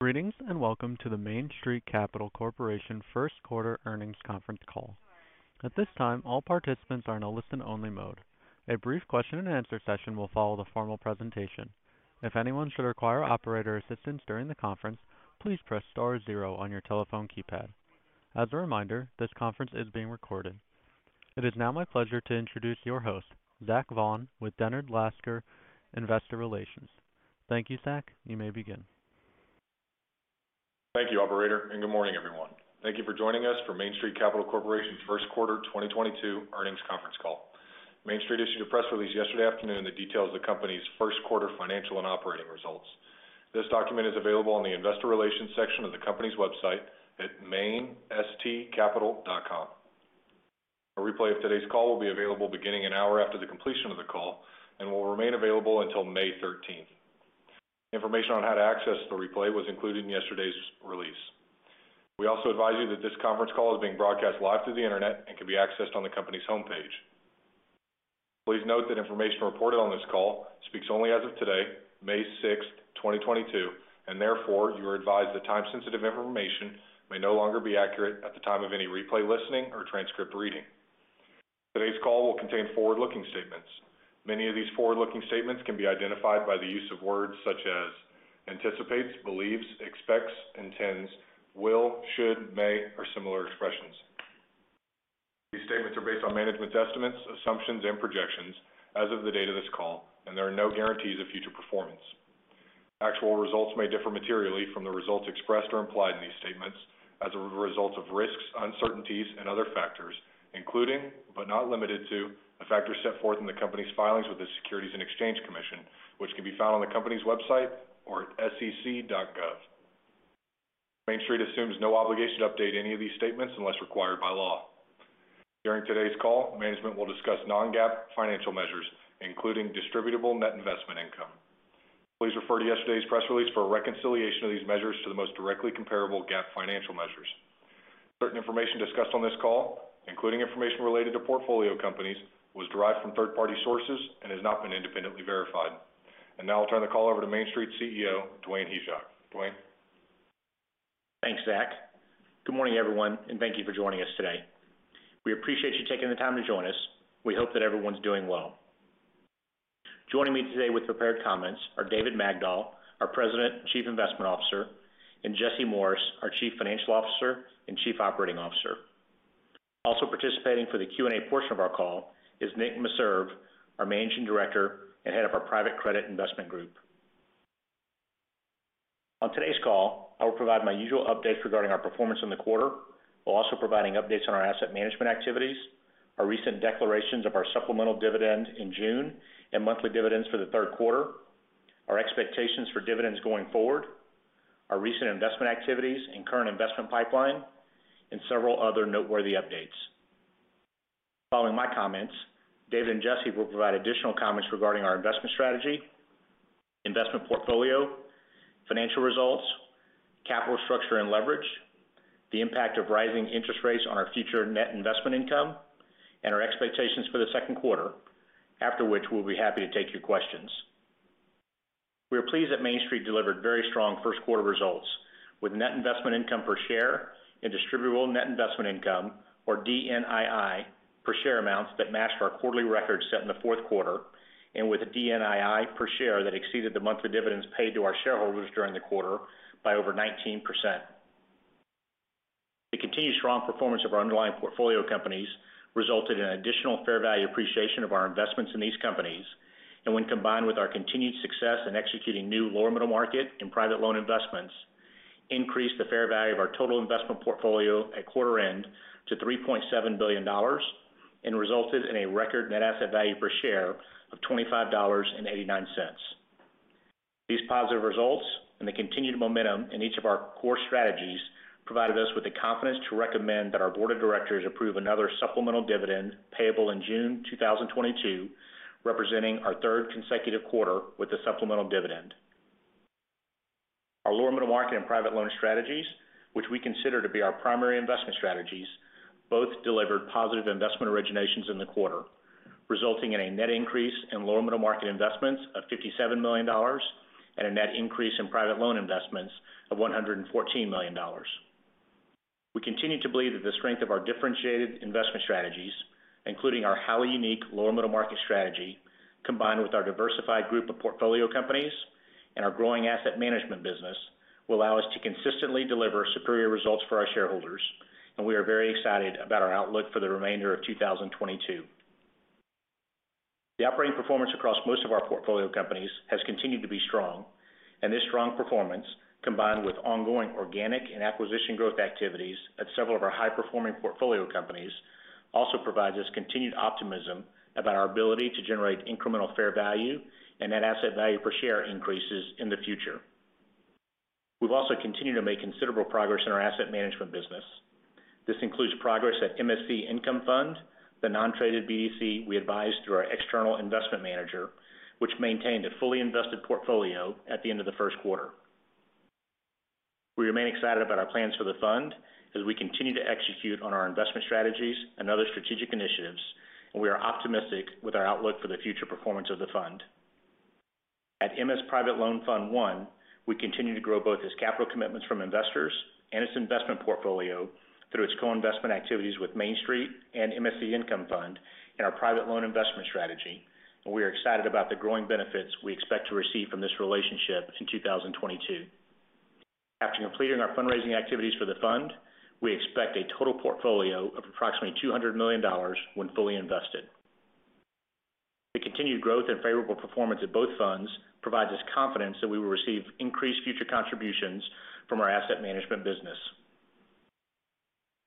Greetings, and welcome to the Main Street Capital Corporation first quarter earnings conference call. At this time, all participants are in a listen only mode. A brief question and answer session will follow the formal presentation. If anyone should require operator assistance during the conference, please press star zero on your telephone keypad. As a reminder, this conference is being recorded. It is now my pleasure to introduce your host, Zach Vaughan with Dennard Lascar Investor Relations. Thank you, Zach. You may begin. Thank you, operator, and good morning, everyone. Thank you for joining us for Main Street Capital Corporation's first quarter 2022 earnings conference call. Main Street issued a press release yesterday afternoon that details the company's first quarter financial and operating results. This document is available on the investor relations section of the company's website at mainstcapital.com. A replay of today's call will be available beginning an hour after the completion of the call and will remain available until May 13th. Information on how to access the replay was included in yesterday's release. We also advise you that this conference call is being broadcast live through the Internet and can be accessed on the company's homepage. Please note that information reported on this call speaks only as of today, May 6th, 2022, and therefore you are advised that time-sensitive information may no longer be accurate at the time of any replay listening or transcript reading. Today's call will contain forward-looking statements. Many of these forward-looking statements can be identified by the use of words such as anticipates, believes, expects, intends, will, should, may, or similar expressions. These statements are based on management's estimates, assumptions, and projections as of the date of this call, and there are no guarantees of future performance. Actual results may differ materially from the results expressed or implied in these statements as a result of risks, uncertainties, and other factors, including, but not limited to, the factors set forth in the company's filings with the Securities and Exchange Commission, which can be found on the company's website or at sec.gov. Main Street assumes no obligation to update any of these statements unless required by law. During today's call, management will discuss non-GAAP financial measures, including distributable net investment income. Please refer to yesterday's press release for a reconciliation of these measures to the most directly comparable GAAP financial measures. Certain information discussed on this call, including information related to portfolio companies, was derived from third-party sources and has not been independently verified. Now I'll turn the call over to Main Street CEO, Dwayne Hyzak. Dwayne. Thanks, Zach. Good morning, everyone, and thank you for joining us today. We appreciate you taking the time to join us. We hope that everyone's doing well. Joining me today with prepared comments are David Magdol, our President and Chief Investment Officer, and Jesse Morris, our Chief Financial Officer and Chief Operating Officer. Also participating for the Q&A portion of our call is Nick Meserve, our Managing Director and Head of our Private Credit Investment Group. On today's call, I will provide my usual updates regarding our performance in the quarter, while also providing updates on our asset management activities, our recent declarations of our supplemental dividend in June and monthly dividends for the third quarter, our expectations for dividends going forward, our recent investment activities and current investment pipeline, and several other noteworthy updates. Following my comments, David and Jesse will provide additional comments regarding our investment strategy, investment portfolio, financial results, capital structure and leverage, the impact of rising interest rates on our future net investment income, and our expectations for the second quarter. After which, we'll be happy to take your questions. We are pleased that Main Street delivered very strong first quarter results with net investment income per share and distributable net investment income, or DNII per share amounts that matched our quarterly record set in the fourth quarter and with a DNII per share that exceeded the monthly dividends paid to our shareholders during the quarter by over 19%. The continued strong performance of our underlying portfolio companies resulted in additional fair value appreciation of our investments in these companies, and when combined with our continued success in executing new lower middle market and private loan investments, increased the fair value of our total investment portfolio at quarter end to $3.7 billion and resulted in a record net asset value per share of $25.89. These positive results and the continued momentum in each of our core strategies provided us with the confidence to recommend that our board of directors approve another supplemental dividend payable in June 2022, representing our third consecutive quarter with a supplemental dividend. Our lower middle market and private loan strategies, which we consider to be our primary investment strategies, both delivered positive investment originations in the quarter, resulting in a net increase in lower middle market investments of $57 million and a net increase in private loan investments of $114 million. We continue to believe that the strength of our differentiated investment strategies, including our highly unique lower middle market strategy, combined with our diversified group of portfolio companies and our growing asset management business, will allow us to consistently deliver superior results for our shareholders, and we are very excited about our outlook for the remainder of 2022. The operating performance across most of our portfolio companies has continued to be strong, and this strong performance, combined with ongoing organic and acquisition growth activities at several of our high-performing portfolio companies, also provides us continued optimism about our ability to generate incremental fair value and net asset value per share increases in the future. We've also continued to make considerable progress in our asset management business. This includes progress at MSC Income Fund, the non-traded BDC we advise through our external investment manager, which maintained a fully invested portfolio at the end of the first quarter. We remain excited about our plans for the fund as we continue to execute on our investment strategies and other strategic initiatives. We are optimistic with our outlook for the future performance of the fund. At MS Private Loan Fund I, we continue to grow both its capital commitments from investors and its investment portfolio through its co-investment activities with Main Street and MSC Income Fund in our private loan investment strategy. We are excited about the growing benefits we expect to receive from this relationship in 2022. After completing our fundraising activities for the fund, we expect a total portfolio of approximately $200 million when fully invested. The continued growth and favorable performance of both funds provides us confidence that we will receive increased future contributions from our asset management business.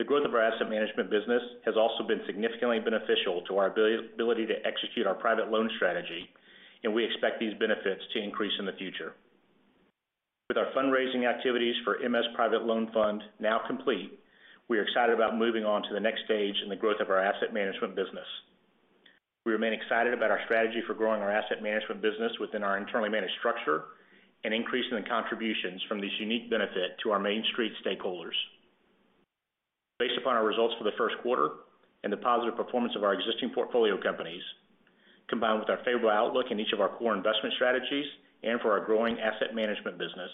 The growth of our asset management business has also been significantly beneficial to our ability to execute our private loan strategy, and we expect these benefits to increase in the future. With our fundraising activities for MS Private Loan Fund now complete, we are excited about moving on to the next stage in the growth of our asset management business. We remain excited about our strategy for growing our asset management business within our internally managed structure and increasing the contributions from this unique benefit to our Main Street stakeholders. Based upon our results for the first quarter and the positive performance of our existing portfolio companies, combined with our favorable outlook in each of our core investment strategies and for our growing asset management business,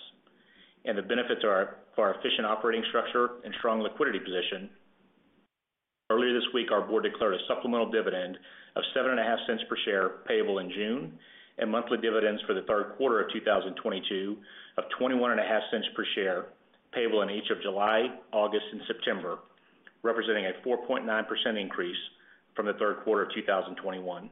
and the benefits of our, for our efficient operating structure and strong liquidity position. Earlier this week, our board declared a supplemental dividend of $0.075 per share payable in June, and monthly dividends for the third quarter of 2022 of $0.215 per share payable in each of July, August, and September, representing a 4.9% increase from the third quarter of 2021.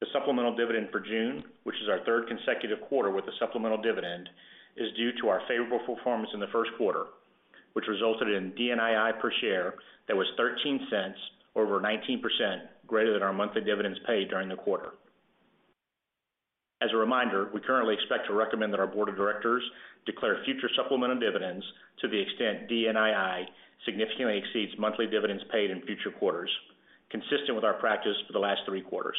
The supplemental dividend for June, which is our third consecutive quarter with a supplemental dividend, is due to our favorable performance in the first quarter, which resulted in DNII per share that was $0.13 or over 19% greater than our monthly dividends paid during the quarter. As a reminder, we currently expect to recommend that our board of directors declare future supplemental dividends to the extent DNII significantly exceeds monthly dividends paid in future quarters, consistent with our practice for the last three quarters.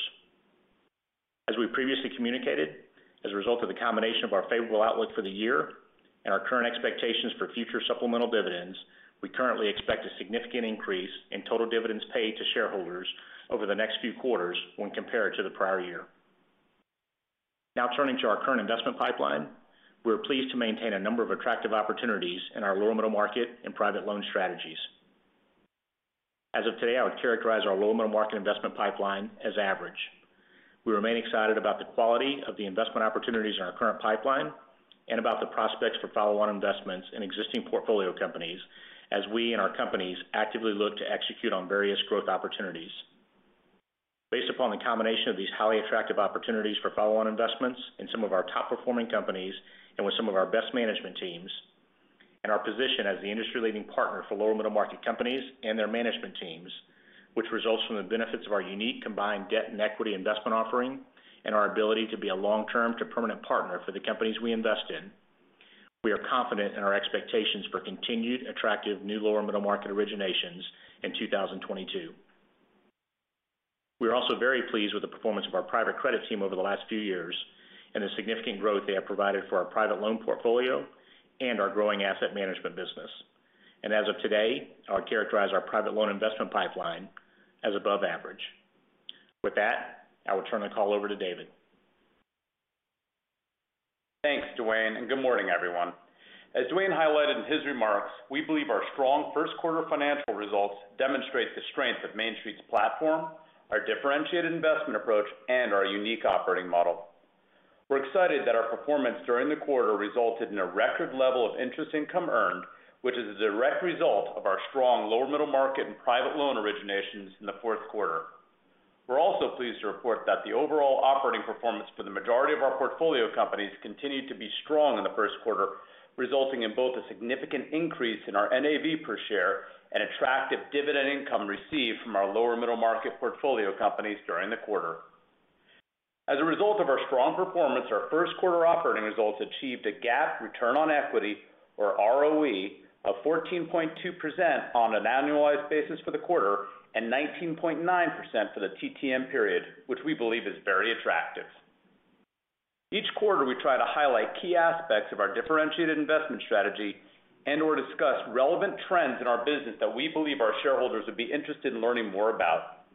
As we previously communicated, as a result of the combination of our favorable outlook for the year and our current expectations for future supplemental dividends, we currently expect a significant increase in total dividends paid to shareholders over the next few quarters when compared to the prior year. Now turning to our current investment pipeline. We are pleased to maintain a number of attractive opportunities in our lower middle market and private loan strategies. As of today, I would characterize our lower middle market investment pipeline as average. We remain excited about the quality of the investment opportunities in our current pipeline and about the prospects for follow-on investments in existing portfolio companies as we and our companies actively look to execute on various growth opportunities. Based upon the combination of these highly attractive opportunities for follow-on investments in some of our top-performing companies and with some of our best management teams, and our position as the industry-leading partner for lower middle market companies and their management teams, which results from the benefits of our unique combined debt and equity investment offering and our ability to be a long-term to permanent partner for the companies we invest in, we are confident in our expectations for continued attractive new lower middle market originations in 2022. We are also very pleased with the performance of our private credit team over the last few years and the significant growth they have provided for our private loan portfolio and our growing asset management business. As of today, I would characterize our private loan investment pipeline as above average. With that, I will turn the call over to David. Thanks, Dwayne, and good morning, everyone. As Dwayne highlighted in his remarks, we believe our strong first quarter financial results demonstrate the strength of Main Street's platform, our differentiated investment approach, and our unique operating model. We're excited that our performance during the quarter resulted in a record level of interest income earned, which is a direct result of our strong lower middle market and private loan originations in the fourth quarter. We're also pleased to report that the overall operating performance for the majority of our portfolio companies continued to be strong in the first quarter, resulting in both a significant increase in our NAV per share and attractive dividend income received from our lower middle market portfolio companies during the quarter. As a result of our strong performance, our first quarter operating results achieved a GAAP return on equity or ROE of 14.2% on an annualized basis for the quarter and 19.9% for the TTM period, which we believe is very attractive. Each quarter, we try to highlight key aspects of our differentiated investment strategy and/or discuss relevant trends in our business that we believe our shareholders would be interested in learning more about.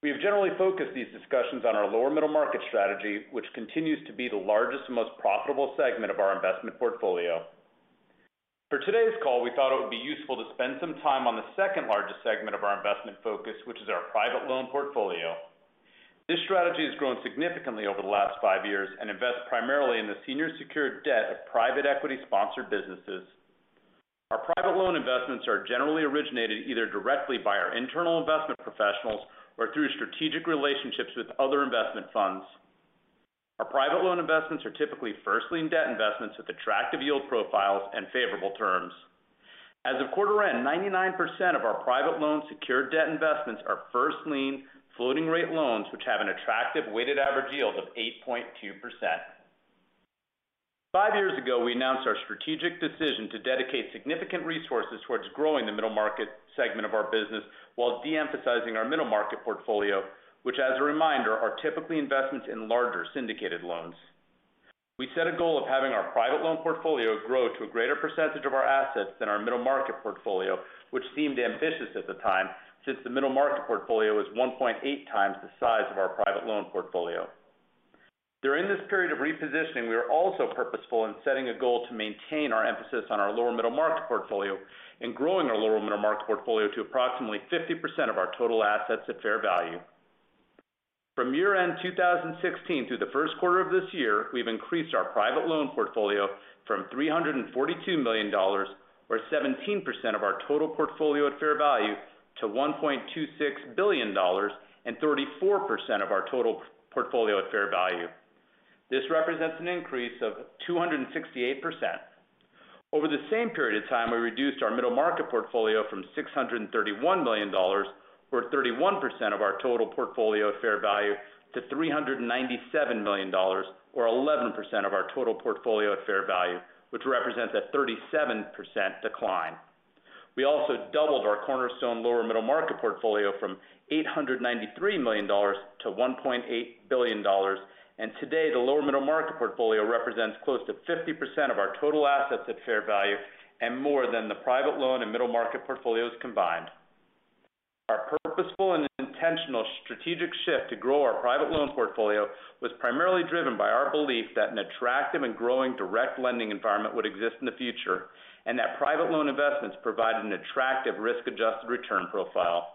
We have generally focused these discussions on our lower middle market strategy, which continues to be the largest and most profitable segment of our investment portfolio. For today's call, we thought it would be useful to spend some time on the second largest segment of our investment focus, which is our private loan portfolio. This strategy has grown significantly over the last five years and invests primarily in the senior secured debt of private equity-sponsored businesses. Our private loan investments are generally originated either directly by our internal investment professionals or through strategic relationships with other investment funds. Our private loan investments are typically first lien debt investments with attractive yield profiles and favorable terms. As of quarter end, 99% of our private loan secured debt investments are first lien floating rate loans, which have an attractive weighted average yield of 8.2%. Five years ago, we announced our strategic decision to dedicate significant resources towards growing the middle market segment of our business while de-emphasizing our middle market portfolio, which as a reminder, are typically investments in larger syndicated loans. We set a goal of having our private loan portfolio grow to a greater percentage of our assets than our middle market portfolio, which seemed ambitious at the time, since the middle market portfolio is 1.8 times the size of our private loan portfolio. During this period of repositioning, we are also purposeful in setting a goal to maintain our emphasis on our lower middle market portfolio and growing our lower middle market portfolio to approximately 50% of our total assets at fair value. From year-end 2016 through the first quarter of this year, we've increased our private loan portfolio from $342 million, or 17% of our total portfolio at fair value, to $1.26 billion and 34% of our total portfolio at fair value. This represents an increase of 268%. Over the same period of time, we reduced our middle market portfolio from $631 million, or 31% of our total portfolio at fair value, to $397 million or 11% of our total portfolio at fair value, which represents a 37% decline. We also doubled our cornerstone lower middle market portfolio from $893 million to $1.8 billion. Today, the lower middle market portfolio represents close to 50% of our total assets at fair value and more than the private loan and middle market portfolios combined. Our purposeful and intentional strategic shift to grow our private loan portfolio was primarily driven by our belief that an attractive and growing direct lending environment would exist in the future, and that private loan investments provide an attractive risk-adjusted return profile.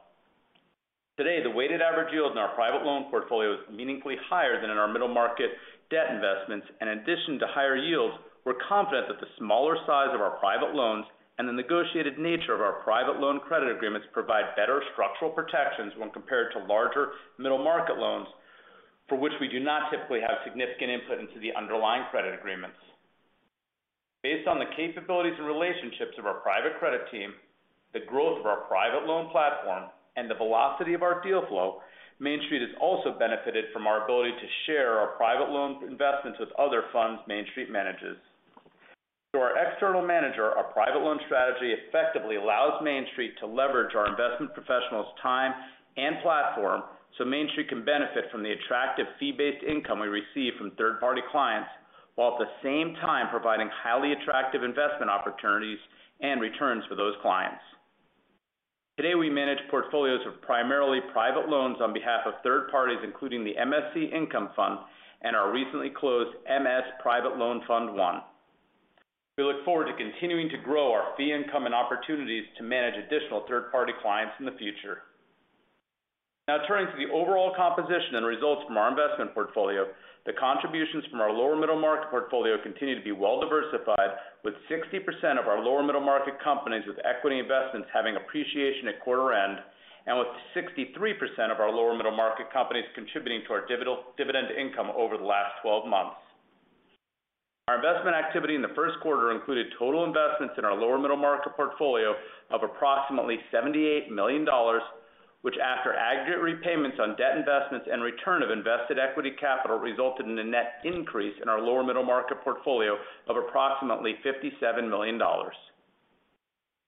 Today, the weighted average yields in our private loan portfolio is meaningfully higher than in our middle market debt investments. In addition to higher yields, we're confident that the smaller size of our private loans and the negotiated nature of our private loan credit agreements provide better structural protections when compared to larger middle market loans, for which we do not typically have significant input into the underlying credit agreements. Based on the capabilities and relationships of our Private Credit team, the growth of our Private Loan platform and the velocity of our deal flow, Main Street has also benefited from our ability to share our Private Loan investments with other funds Main Street manages. Through our External Manager, our Private Loan strategy effectively allows Main Street to leverage our investment professionals' time and platform, so Main Street can benefit from the attractive fee-based income we receive from third-party clients, while at the same time providing highly attractive investment opportunities and returns for those clients. Today, we manage portfolios of primarily Private Loans on behalf of third parties, including the MSC Income Fund and our recently closed MS Private Loan Fund I. We look forward to continuing to grow our fee income and opportunities to manage additional third-party clients in the future. Now turning to the overall composition and results from our investment portfolio. The contributions from our lower middle market portfolio continue to be well diversified, with 60% of our lower middle market companies with equity investments having appreciation at quarter end, and with 63% of our lower middle market companies contributing to our dividend income over the last 12 months. Our investment activity in the first quarter included total investments in our lower middle market portfolio of approximately $78 million, which, after aggregate repayments on debt investments and return of invested equity capital, resulted in a net increase in our lower middle market portfolio of approximately $57 million.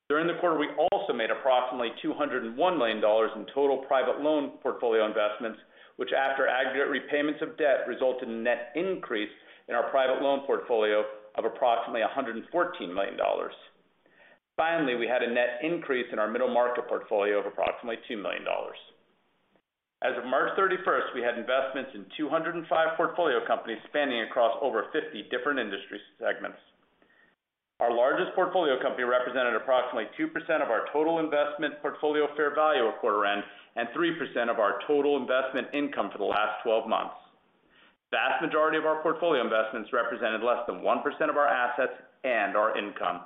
During the quarter, we also made approximately $201 million in total private loan portfolio investments, which, after aggregate repayments of debt, result in net increase in our private loan portfolio of approximately $114 million. Finally, we had a net increase in our middle market portfolio of approximately $2 million. As of March 31st, we had investments in 205 portfolio companies spanning across over 50 different industry segments. Our largest portfolio company represented approximately 2% of our total investment portfolio fair value at quarter end and 3% of our total investment income for the last 12 months. Vast majority of our portfolio investments represented less than 1% of our assets and our income.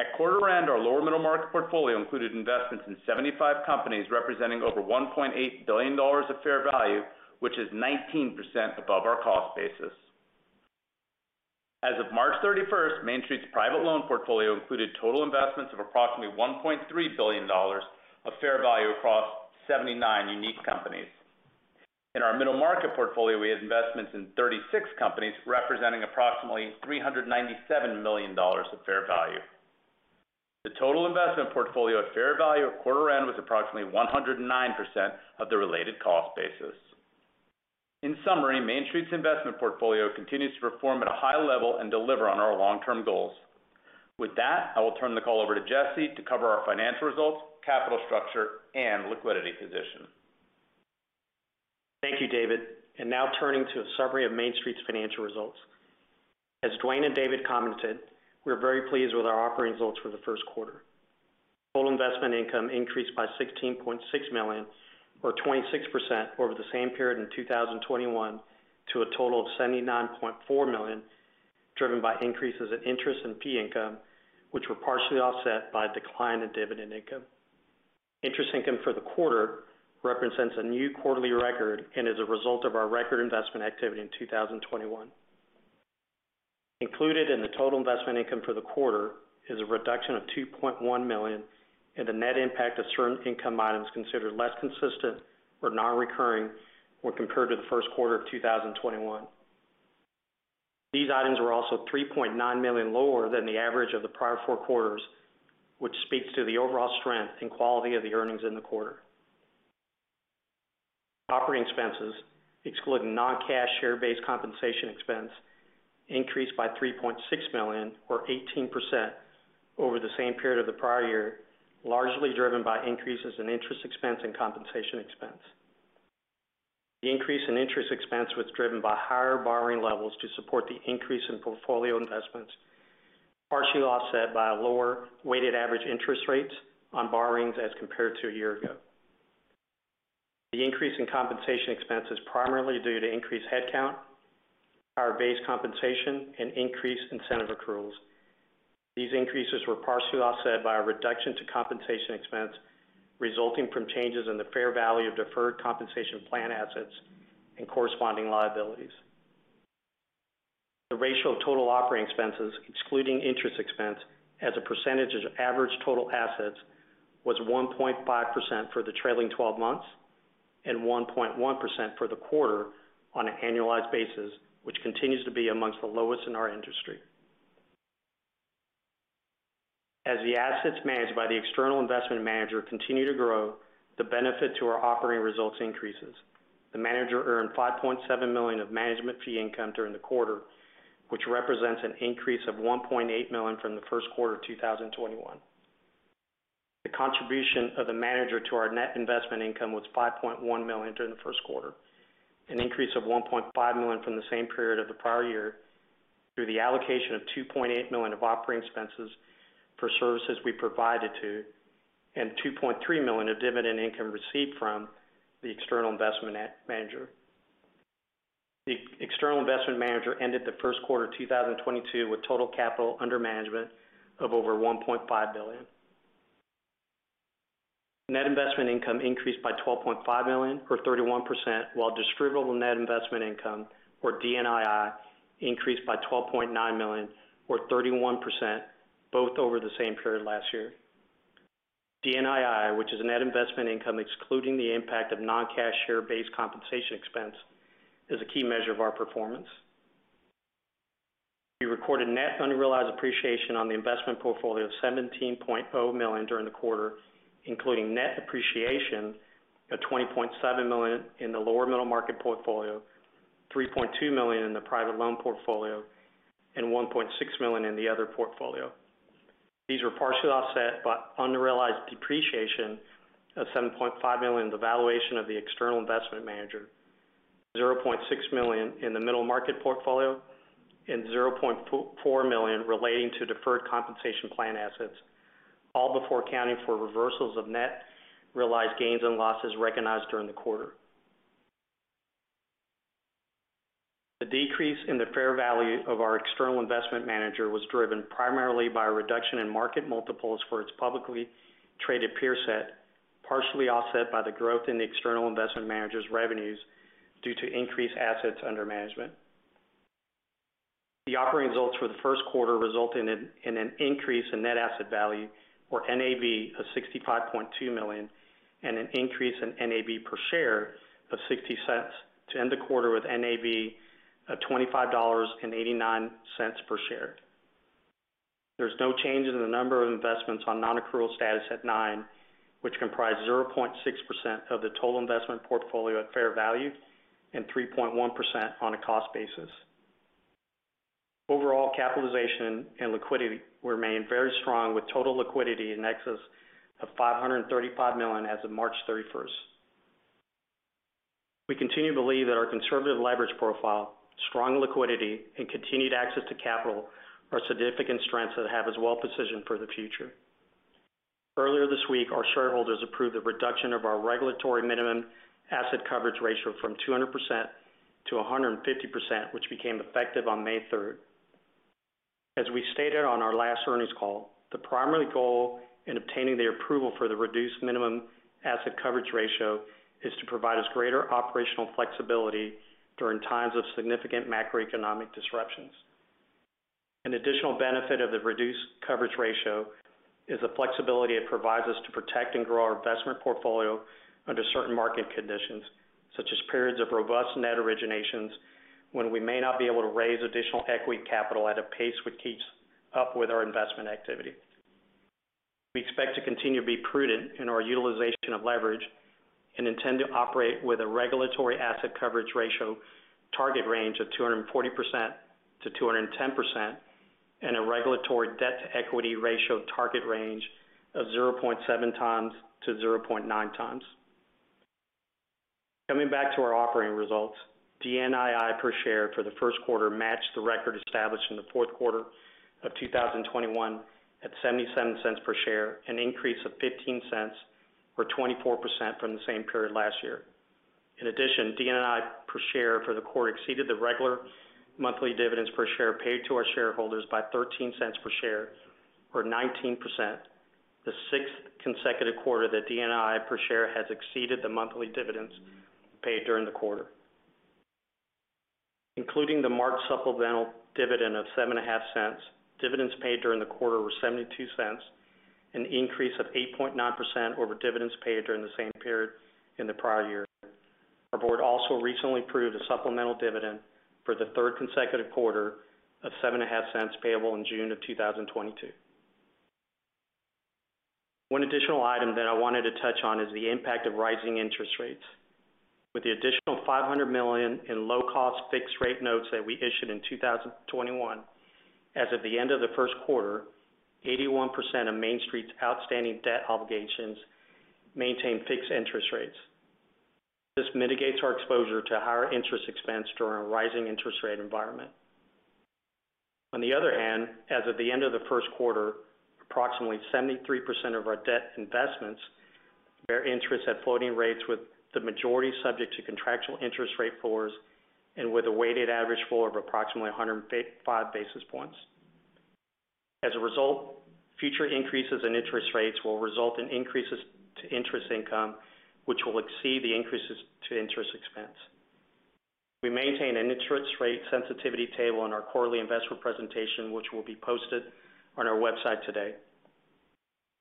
At quarter end, our lower middle market portfolio included investments in 75 companies representing over $1.8 billion of fair value, which is 19% above our cost basis. As of March 31st, Main Street's private loan portfolio included total investments of approximately $1.3 billion of fair value across 79 unique companies. In our middle market portfolio, we had investments in 36 companies representing approximately $397 million of fair value. The total investment portfolio at fair value at quarter end was approximately 109% of the related cost basis. In summary, Main Street's investment portfolio continues to perform at a high level and deliver on our long-term goals. With that, I will turn the call over to Jesse to cover our financial results, capital structure and liquidity position. Thank you, David. Now turning to a summary of Main Street's financial results. As Dwayne and David commented, we are very pleased with our operating results for the first quarter. Total investment income increased by $16.6 million or 26% over the same period in 2021 to a total of $79.4 million, driven by increases in interest and fee income, which were partially offset by a decline in dividend income. Interest income for the quarter represents a new quarterly record and is a result of our record investment activity in 2021. Included in the total investment income for the quarter is a reduction of $2.1 million, and the net impact of certain income items considered less consistent or non-recurring when compared to the first quarter of 2021. These items were also $3.9 million lower than the average of the prior four quarters, which speaks to the overall strength and quality of the earnings in the quarter. Operating expenses, excluding non-cash share-based compensation expense, increased by $3.6 million or 18% over the same period of the prior year, largely driven by increases in interest expense and compensation expense. The increase in interest expense was driven by higher borrowing levels to support the increase in portfolio investments, partially offset by a lower weighted average interest rates on borrowings as compared to a year ago. The increase in compensation expense is primarily due to increased headcount, higher base compensation, and increased incentive accruals. These increases were partially offset by a reduction to compensation expense resulting from changes in the fair value of deferred compensation plan assets and corresponding liabilities. The ratio of total operating expenses, excluding interest expense as a percentage of average total assets, was 1.5% for the trailing 12 months and 1.1% for the quarter on an annualized basis, which continues to be among the lowest in our industry. As the assets managed by the external investment manager continue to grow, the benefit to our operating results increases. The manager earned $5.7 million of management fee income during the quarter, which represents an increase of $1.8 million from the first quarter of 2021. The contribution of the manager to our net investment income was $5.1 million during the first quarter, an increase of $1.5 million from the same period of the prior year through the allocation of $2.8 million of operating expenses for services we provided to, and $2.3 million of dividend income received from the External Investment Manager. The External Investment Manager ended the first quarter 2022 with total capital under management of over $1.5 billion. Net investment income increased by $12.5 million or 31%, while distributable net investment income, or DNII, increased by $12.9 million or 31%, both over the same period last year. DNII, which is net investment income excluding the impact of non-cash share-based compensation expense, is a key measure of our performance. We recorded net unrealized appreciation on the investment portfolio of $17.0 million during the quarter, including net appreciation of $20.7 million in the lower middle market portfolio, $3.2 million in the private loan portfolio, and $1.6 million in the other portfolio. These were partially offset by unrealized depreciation of $7.5 million, the valuation of the external investment manager, $0.6 million in the middle market portfolio, and $0.4 million relating to deferred compensation plan assets, all before accounting for reversals of net realized gains and losses recognized during the quarter. The decrease in the fair value of our external investment manager was driven primarily by a reduction in market multiples for its publicly traded peer set, partially offset by the growth in the external investment manager's revenues due to increased assets under management. The operating results for the first quarter resulted in an increase in net asset value, or NAV, of $65.2 million and an increase in NAV per share of $0.60 to end the quarter with NAV of $25.89 per share. There's no change in the number of investments on non-accrual status at nine, which comprise 0.6% of the total investment portfolio at fair value and 3.1% on a cost basis. Overall capitalization and liquidity remain very strong, with total liquidity in excess of $535 million as of March 31st. We continue to believe that our conservative leverage profile, strong liquidity, and continued access to capital are significant strengths that have us well positioned for the future. Earlier this week, our shareholders approved the reduction of our regulatory minimum asset coverage ratio from 200% to 150%, which became effective on May 3rd. As we stated on our last earnings call, the primary goal in obtaining the approval for the reduced minimum asset coverage ratio is to provide us greater operational flexibility during times of significant macroeconomic disruptions. An additional benefit of the reduced coverage ratio is the flexibility it provides us to protect and grow our investment portfolio under certain market conditions, such as periods of robust net originations when we may not be able to raise additional equity capital at a pace which keeps up with our investment activity. We expect to continue to be prudent in our utilization of leverage and intend to operate with a regulatory asset coverage ratio target range of 240%-210% and a regulatory debt-to-equity ratio target range of 0.7x-0.9x. Coming back to our operating results, DNII per share for the first quarter matched the record established in the fourth quarter of 2021 at $0.77 per share, an increase of $0.15 or 24% from the same period last year. In addition, DNII per share for the quarter exceeded the regular monthly dividends per share paid to our shareholders by $0.13 per share or 19%, the sixth consecutive quarter that DNII per share has exceeded the monthly dividends paid during the quarter. Including the marked supplemental dividend of $0.075, dividends paid during the quarter were $0.72, an increase of 8.9% over dividends paid during the same period in the prior year. Our board also recently approved a supplemental dividend for the third consecutive quarter of $0.075 payable in June of 2022. One additional item that I wanted to touch on is the impact of rising interest rates. With the additional $500 million in low cost fixed rate notes that we issued in 2021, as of the end of the first quarter, 81% of Main Street's outstanding debt obligations maintain fixed interest rates. This mitigates our exposure to higher interest expense during a rising interest rate environment. On the other hand, as of the end of the first quarter, approximately 73% of our debt investments bear interest at floating rates, with the majority subject to contractual interest rate floors and with a weighted average floor of approximately 105 basis points. As a result, future increases in interest rates will result in increases to interest income, which will exceed the increases to interest expense. We maintain an interest rate sensitivity table in our quarterly investment presentation, which will be posted on our website today.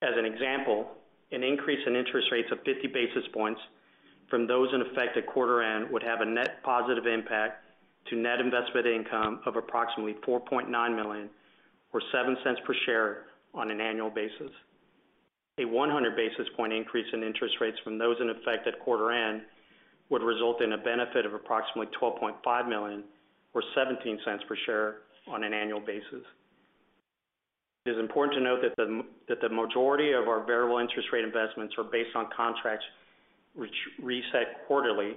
As an example, an increase in interest rates of 50 basis points from those in effect at quarter end would have a net positive impact to net investment income of approximately $4.9 million or $0.07 per share on an annual basis. A 100 basis point increase in interest rates from those in effect at quarter end would result in a benefit of approximately $12.5 million or $0.17 per share on an annual basis. It is important to note that the majority of our variable interest rate investments are based on contracts which reset quarterly,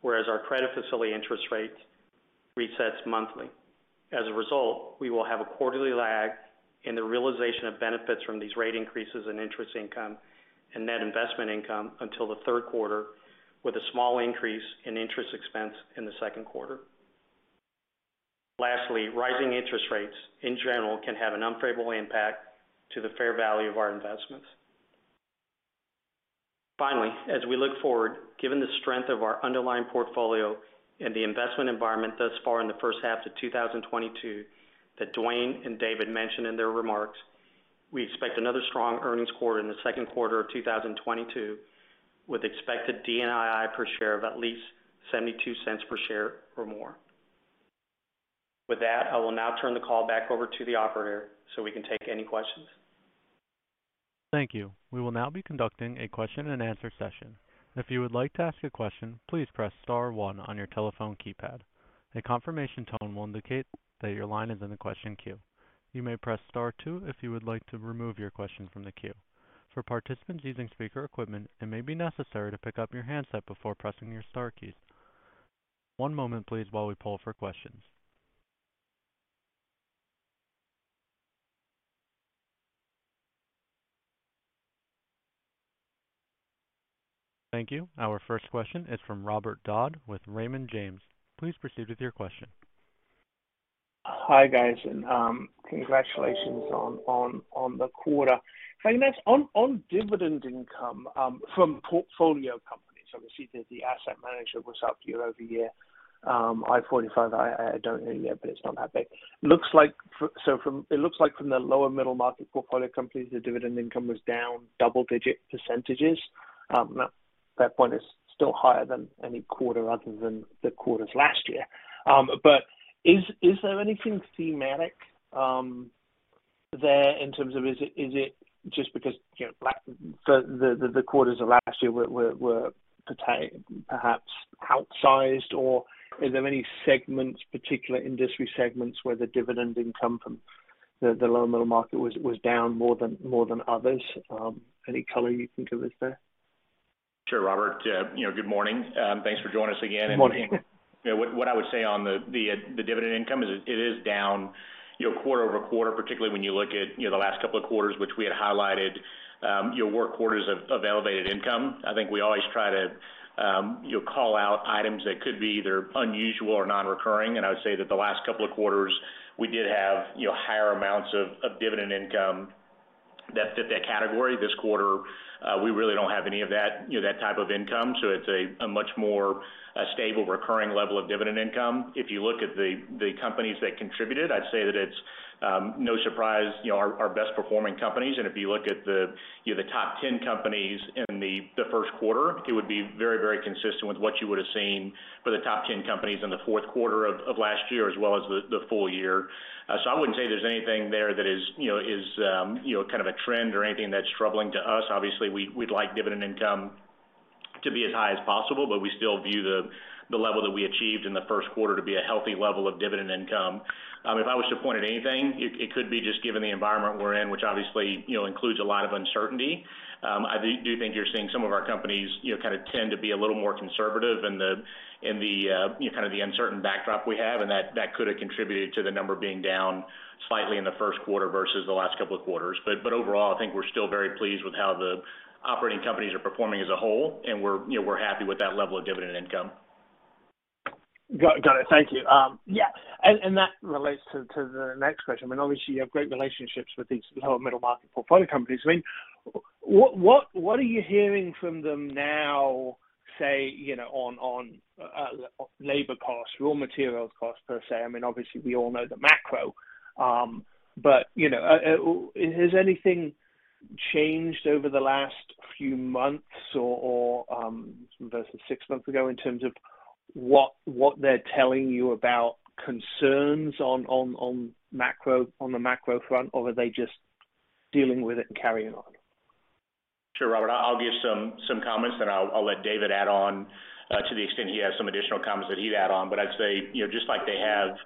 whereas our credit facility interest rate resets monthly. As a result, we will have a quarterly lag in the realization of benefits from these rate increases in interest income and net investment income until the third quarter, with a small increase in interest expense in the second quarter. Lastly, rising interest rates in general can have an unfavorable impact to the fair value of our investments. Finally, as we look forward, given the strength of our underlying portfolio and the investment environment thus far in the first half of 2022 that Dwayne and David mentioned in their remarks, we expect another strong earnings quarter in the second quarter of 2022, with expected DNII per share of at least $0.72 per share or more. With that, I will now turn the call back over to the operator so we can take any questions. Thank you. We will now be conducting a question and answer session. If you would like to ask a question, please press star one on your telephone keypad. A confirmation tone will indicate that your line is in the question queue. You may press star two if you would like to remove your question from the queue. For participants using speaker equipment, it may be necessary to pick up your handset before pressing your star keys. One moment please while we poll for questions. Thank you. Our first question is from Robert Dodd with Raymond James. Please proceed with your question. Hi, guys, and congratulations on the quarter. If I may ask, on dividend income from portfolio companies, obviously the asset manager was up year over year. 45, I don't know yet, but it's not that big. It looks like from the lower middle market portfolio companies, the dividend income was down double-digit percentages. That point is still higher than any quarter other than the quarters last year. Is there anything thematic there in terms of is it just because, you know, the quarters of last year were perhaps outsized? Is there any segments, particular industry segments where the dividend income from the lower middle market was down more than others? Any color you can give us there? Sure, Robert. You know, good morning. Thanks for joining us again. Good morning. You know what I would say on the dividend income is it is down, you know, quarter-over-quarter, particularly when you look at, you know, the last couple of quarters which we had highlighted, you know, were quarters of elevated income. I think we always try to, you know, call out items that could be either unusual or non-recurring. I would say that the last couple of quarters we did have, you know, higher amounts of dividend income that fit that category. This quarter, we really don't have any of that, you know, that type of income. It's a much more stable recurring level of dividend income. If you look at the companies that contributed, I'd say that it's no surprise, you know, our best performing companies. If you look at you know the top 10 companies in the first quarter, it would be very consistent with what you would have seen for the top 10 companies in the fourth quarter of last year as well as the full year. I wouldn't say there's anything there that is you know kind of a trend or anything that's troubling to us. Obviously, we'd like dividend income to be as high as possible, but we still view the level that we achieved in the first quarter to be a healthy level of dividend income. If I was to point at anything, it could be just given the environment we're in, which obviously you know includes a lot of uncertainty. I do think you're seeing some of our companies, you know, kind of tend to be a little more conservative in the you know, kind of the uncertain backdrop we have, and that could have contributed to the number being down slightly in the first quarter versus the last couple of quarters. Overall, I think we're still very pleased with how the operating companies are performing as a whole and we're, you know, happy with that level of dividend income. Got it. Thank you. Yeah, and that relates to the next question. I mean, obviously you have great relationships with these lower middle market portfolio companies. I mean, what are you hearing from them now, say, you know, on labor costs, raw materials costs per se? I mean, obviously we all know the macro. You know, has anything changed over the last few months or versus six months ago in terms of what they're telling you about concerns on the macro front, or are they just dealing with it and carrying on? Sure, Robert, I'll give some comments, then I'll let David add on, to the extent he has some additional comments that he'd add on. But I'd say, you know, just like they have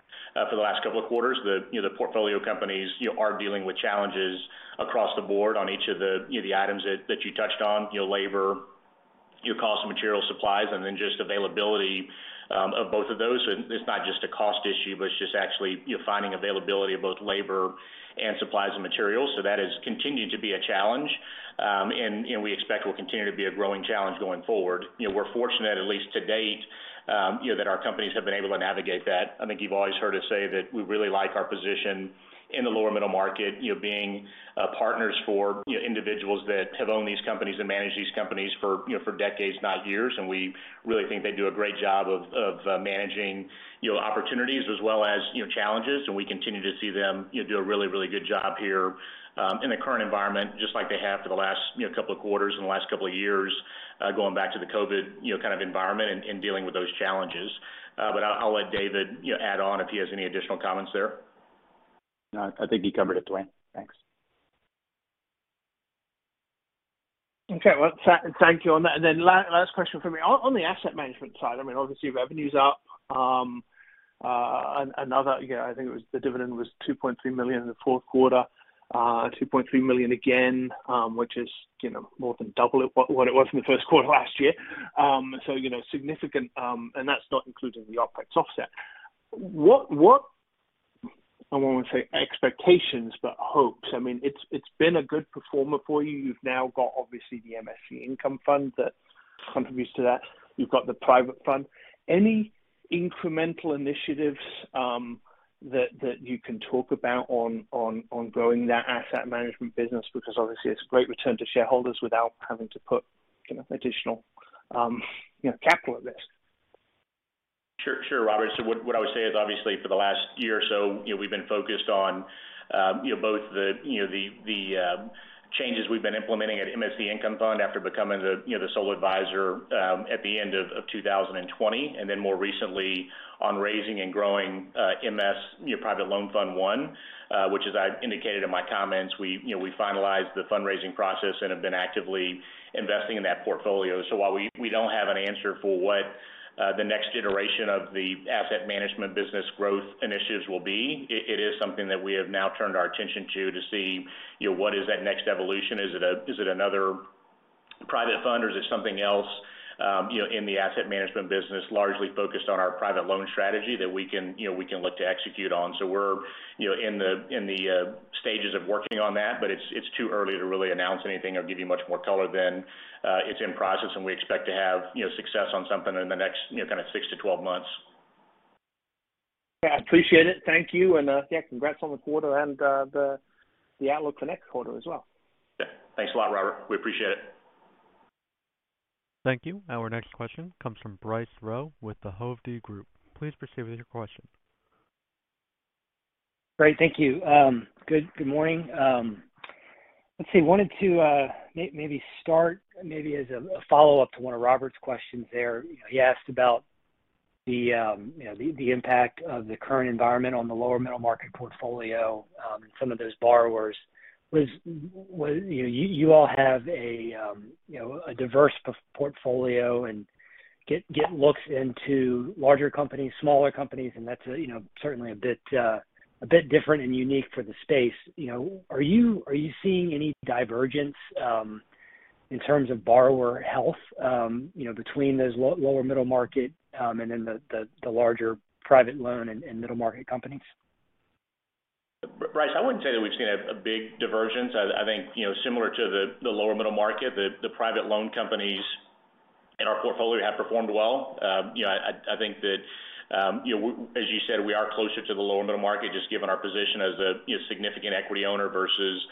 for the last couple of quarters, you know, the portfolio companies, you know, are dealing with challenges across the board on each of the, you know, the items that you touched on, you know, labor, higher cost of material supplies, and then just availability of both of those. It's not just a cost issue, but it's just actually, you know, finding availability of both labor and supplies and materials. That has continued to be a challenge, and, you know, we expect will continue to be a growing challenge going forward. You know, we're fortunate at least to date, you know, that our companies have been able to navigate that. I think you've always heard us say that we really like our position in the lower middle market, you know, being partners for, you know, individuals that have owned these companies and managed these companies for, you know, for decades, not years. We really think they do a great job of managing, you know, opportunities as well as, you know, challenges. We continue to see them, you know, do a really good job here in the current environment, just like they have for the last, you know, couple of quarters and the last couple of years, going back to the COVID, you know, kind of environment and dealing with those challenges. I'll let David, you know, add on if he has any additional comments there. No, I think you covered it, Dwayne. Thanks. Okay. Well, thank you on that. Last question for me. On the asset management side, I mean, obviously revenue's up another, you know, I think it was the dividend was $2.3 million in the fourth quarter, $2.3 million again, which is, you know, more than double what it was in the first quarter last year. So, you know, significant, and that's not including the OpEx offset. What I won't say expectations but hopes. I mean, it's been a good performer for you. You've now got obviously the MSC Income Fund that contributes to that. You've got the private fund. Any incremental initiatives, that you can talk about on growing that asset management business? Because obviously it's great return to shareholders without having to put, you know, additional, you know, capital at risk. Sure, Robert. What I would say is obviously for the last year or so, you know, we've been focused on, you know, both the changes we've been implementing at MSC Income Fund after becoming the sole advisor at the end of 2020. Then more recently on raising and growing MS Private Loan Fund I, which as I indicated in my comments, we finalized the fundraising process and have been actively investing in that portfolio. While we don't have an answer for what the next iteration of the asset management business growth initiatives will be, it is something that we have now turned our attention to see what is that next evolution. Is it another private fund or is it something else, you know, in the asset management business largely focused on our private loan strategy that we can, you know, look to execute on. We're, you know, in the stages of working on that, but it's too early to really announce anything or give you much more color than it's in process and we expect to have, you know, success on something in the next, you know, kind of six to 12 months. Yeah, I appreciate it. Thank you. Yeah, congrats on the quarter and the outlook for next quarter as well. Yeah. Thanks a lot, Robert. We appreciate it. Thank you. Our next question comes from Bryce Rowe with the Hovde Group. Please proceed with your question. Great. Thank you. Good morning. Let's see, wanted to maybe start as a follow-up to one of Robert's questions there. You know, he asked about the impact of the current environment on the lower middle market portfolio, and some of those borrowers. You know, you all have a diverse portfolio and get looks into larger companies, smaller companies, and that's you know, certainly a bit different and unique for the space. You know, are you seeing any divergence in terms of borrower health, you know, between those lower middle market, and then the larger private loan and middle market companies? Bryce, I wouldn't say that we've seen a big divergence. I think, you know, similar to the lower middle market, the private loan companies in our portfolio have performed well. You know, I think that, you know, as you said, we are closer to the lower middle market just given our position as a, you know, significant equity owner versus,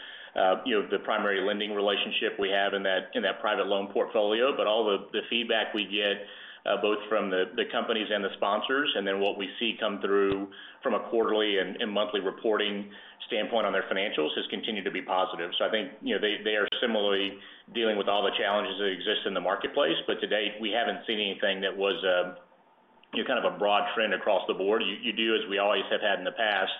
you know, the primary lending relationship we have in that private loan portfolio. All the feedback we get, both from the companies and the sponsors, and then what we see come through from a quarterly and monthly reporting standpoint on their financials has continued to be positive. I think, you know, they are similarly dealing with all the challenges that exist in the marketplace, but to date, we haven't seen anything that was, you know, kind of a broad trend across the board. You do, as we always have had in the past,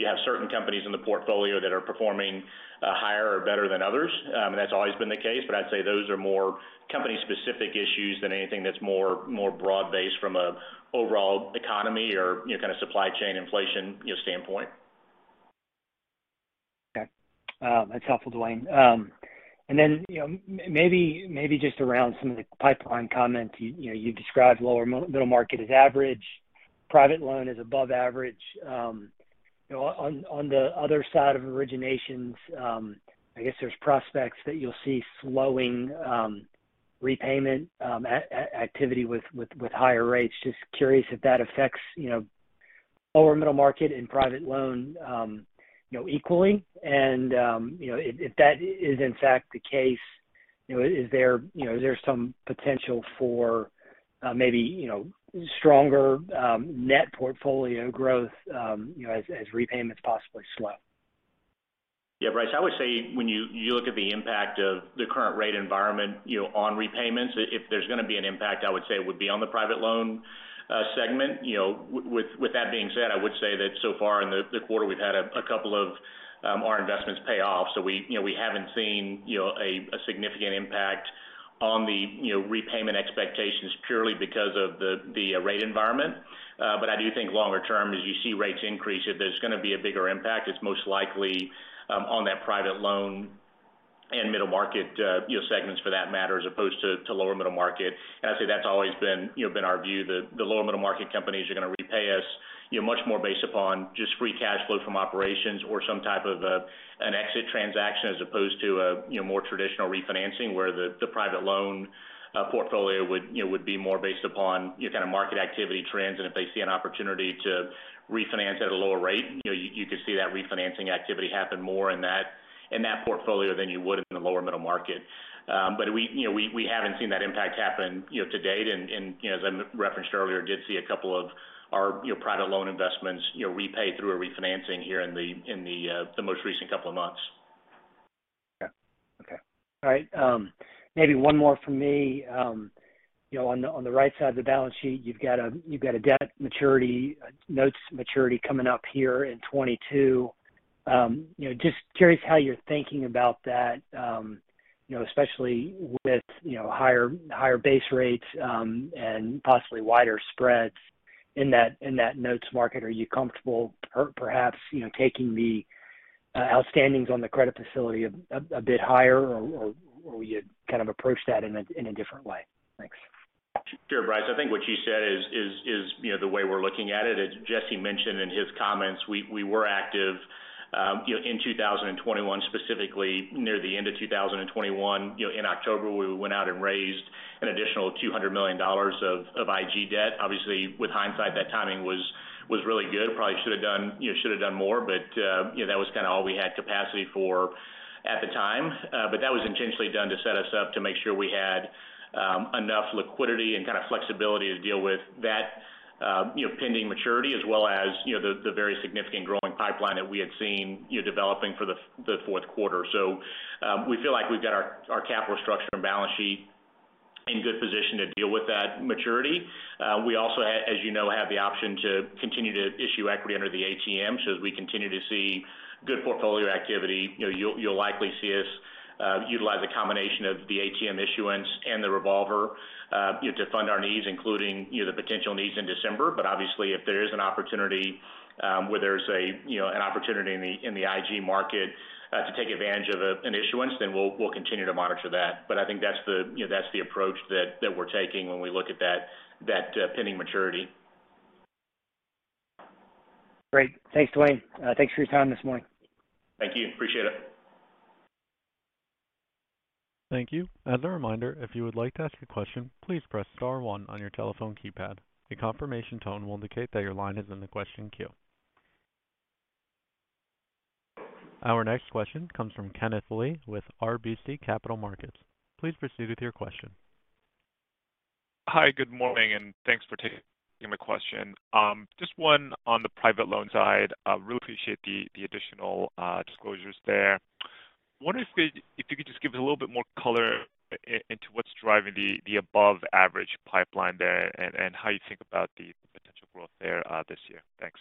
you have certain companies in the portfolio that are performing higher or better than others. That's always been the case, but I'd say those are more company specific issues than anything that's more broad-based from an overall economy or, you know, kind of supply chain inflation, you know, standpoint. Okay. That's helpful, Dwayne. And then, you know, maybe just around some of the pipeline comments. You know, you described lower middle market as average. Private Loan is above average. You know, on the other side of originations, I guess there's prospects that you'll see slowing repayment activity with higher rates. Just curious if that affects, you know, lower middle market and Private Loan, you know, equally. You know, if that is in fact the case, you know, is there some potential for maybe, you know, stronger net portfolio growth, you know, as repayments possibly slow? Yeah, Bryce, I would say when you look at the impact of the current rate environment, you know, on repayments, if there's gonna be an impact, I would say it would be on the private loan segment. You know, with that being said, I would say that so far in the quarter, we've had a couple of our investments pay off. So we, you know, we haven't seen, you know, a significant impact on the, you know, repayment expectations purely because of the rate environment. But I do think longer term, as you see rates increase, if there's gonna be a bigger impact, it's most likely on that private loan and middle market, you know, segments for that matter, as opposed to lower middle market. I'd say that's always been our view that the lower middle market companies are gonna repay us, you know, much more based upon just free cash flow from operations or some type of an exit transaction as opposed to a, you know, more traditional refinancing, where the private loan portfolio would, you know, be more based upon your kind of market activity trends. If they see an opportunity to refinance at a lower rate, you know, you could see that refinancing activity happen more in that portfolio than you would in the lower middle market. But we, you know, haven't seen that impact happen, you know, to date. As I referenced earlier, did see a couple of our, you know, private loan investments, you know, repay through a refinancing here in the most recent couple of months. Yeah. Okay. All right, maybe one more from me. You know, on the right side of the balance sheet, you've got a debt maturity, notes maturity coming up here in 2022. You know, just curious how you're thinking about that, you know, especially with higher base rates, and possibly wider spreads in that notes market. Are you comfortable perhaps, you know, taking the outstandings on the credit facility a bit higher or will you kind of approach that in a different way? Thanks. Sure, Bryce. I think what you said is, you know, the way we're looking at it. As Jesse mentioned in his comments, we were active, you know, in 2021, specifically near the end of 2021. You know, in October, we went out and raised an additional $200 million of IG debt. Obviously, with hindsight, that timing was really good. Probably should've done, you know, should've done more, but, you know, that was kinda all we had capacity for at the time. But that was intentionally done to set us up to make sure we had enough liquidity and kinda flexibility to deal with that, you know, pending maturity as well as, you know, the very significant growing pipeline that we had seen, you know, developing for the fourth quarter. We feel like we've got our capital structure and balance sheet in good position to deal with that maturity. We also, as you know, have the option to continue to issue equity under the ATM. As we continue to see good portfolio activity, you know, you'll likely see us utilize a combination of the ATM issuance and the revolver, you know, to fund our needs, including, you know, the potential needs in December. Obviously, if there is an opportunity where there's you know, an opportunity in the IG market to take advantage of an issuance, then we'll continue to monitor that. I think that's you know, that's the approach that we're taking when we look at that pending maturity. Great. Thanks, Dwayne. Thanks for your time this morning. Thank you. Appreciate it. Thank you. As a reminder, if you would like to ask a question, please press star one on your telephone keypad. A confirmation tone will indicate that your line is in the question queue. Our next question comes from Kenneth Lee with RBC Capital Markets. Please proceed with your question. Hi, good morning, and thanks for taking my question. Just one on the private loan side. Really appreciate the additional disclosures there. Wonder if you could just give a little bit more color into what's driving the above average pipeline there and how you think about the potential growth there this year? Thanks.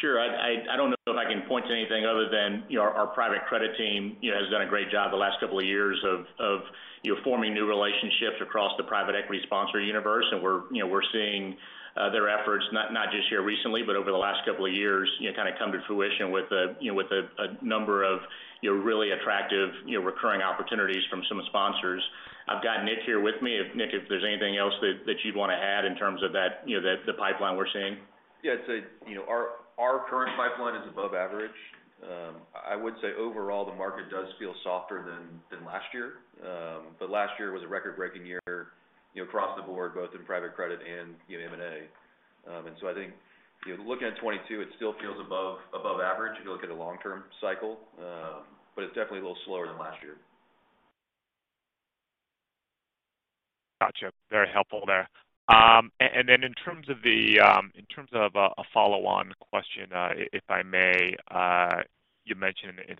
Sure. I don't know if I can point to anything other than, you know, our private credit team, you know, has done a great job the last couple of years of, you know, forming new relationships across the private equity sponsor universe. We're, you know, seeing their efforts, not just here recently, but over the last couple of years, you know, kinda come to fruition with a, you know, number of, you know, really attractive, you know, recurring opportunities from some sponsors. I've got Nick here with me. Nick, if there's anything else that you'd wanna add in terms of that, you know, the pipeline we're seeing. Yeah. I'd say, you know, our current pipeline is above average. I would say overall, the market does feel softer than last year. Last year was a record-breaking year, you know, across the board, both in private credit and, you know, M&A. I think, you know, looking at 2022, it still feels above average if you look at a long-term cycle. It's definitely a little slower than last year. Gotcha. Very helpful there. And then in terms of a follow-on question, if I may. You mentioned in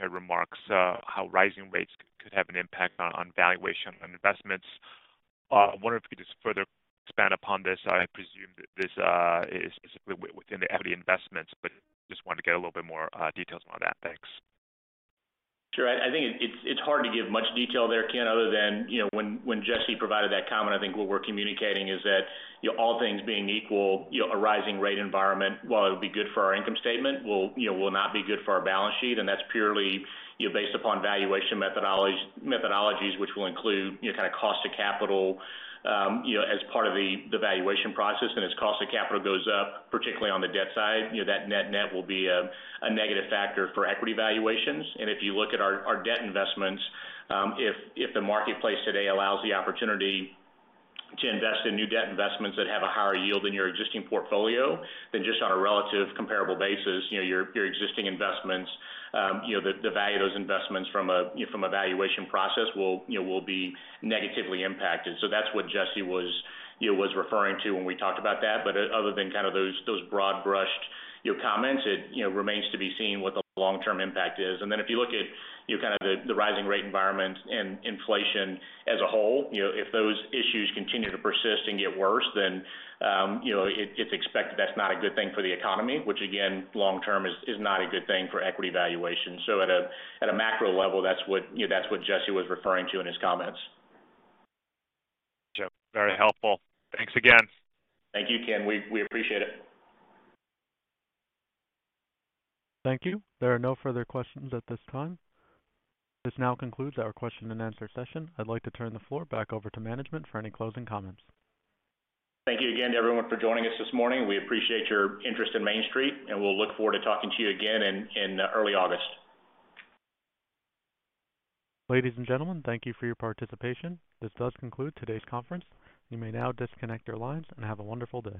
the remarks how rising rates could have an impact on valuation on investments. I wonder if you could just further expand upon this. I presume this is specifically within the equity investments, but just wanted to get a little bit more details about that. Thanks. Sure. I think it's hard to give much detail there, Ken, other than, you know, when Jesse provided that comment, I think what we're communicating is that, you know, all things being equal, you know, a rising rate environment, while it would be good for our income statement, you know, will not be good for our balance sheet, and that's purely, you know, based upon valuation methodologies, which will include, you know, kinda cost of capital, you know, as part of the valuation process. As cost of capital goes up, particularly on the debt side, you know, that net-net will be a negative factor for equity valuations. If you look at our debt investments, if the marketplace today allows the opportunity to invest in new debt investments that have a higher yield than your existing portfolio, then just on a relative comparable basis, you know, your existing investments, you know, the value of those investments from a, you know, from a valuation process will, you know, be negatively impacted. That's what Jesse was, you know, referring to when we talked about that. Other than kind of those broad-brushed, you know, comments, it, you know, remains to be seen what the long-term impact is. If you look at, you know, kind of the rising rate environment and inflation as a whole, you know, if those issues continue to persist and get worse, then, you know, it's expected that's not a good thing for the economy, which again, long term is not a good thing for equity valuation. At a macro level, that's what, you know, that's what Jesse was referring to in his comments. Gotcha. Very helpful. Thanks again. Thank you, Ken. We appreciate it. Thank you. There are no further questions at this time. This now concludes our question and answer session. I'd like to turn the floor back over to management for any closing comments. Thank you again to everyone for joining us this morning. We appreciate your interest in Main Street, and we'll look forward to talking to you again in early August. Ladies and gentlemen, thank you for your participation. This does conclude today's conference. You may now disconnect your lines and have a wonderful day.